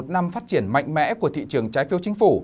kỳ vọng là một năm phát triển mạnh mẽ của thị trường trái phiếu chính phủ